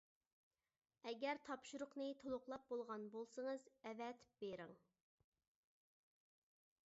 ئەگەر تاپشۇرۇقنى تولۇقلاپ بولغان بولسىڭىز ئەۋەتىپ بېرىڭ.